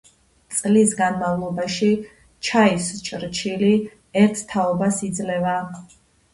წლის განმავლობაში ჩაის ჩრჩილი ერთ თაობას იძლევა.